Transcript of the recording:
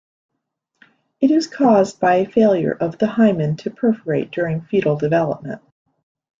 It is caused by a failure of the hymen to perforate during fetal development.